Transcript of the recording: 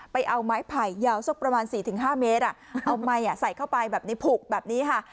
เอาไม้ไผ่ยาวสักประมาณ๔๕เมตรเอาไมค์ใส่เข้าไปแบบนี้ผูกแบบนี้ค่ะ